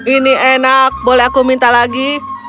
ini enak boleh aku minta lagi